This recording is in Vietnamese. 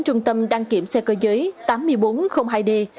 trung tâm đăng kiểm xe cơ giới tám nghìn bốn trăm linh hai d